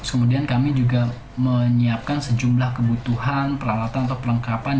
kemudian kami juga menyiapkan sejumlah kebutuhan peralatan atau perlengkapan